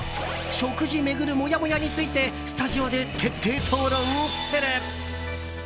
食事巡るモヤモヤについてスタジオで徹底討論する！